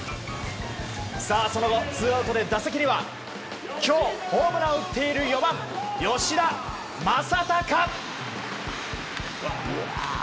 その後、ツーアウトで打席には今日、ホームランを打っている４番、吉田正尚。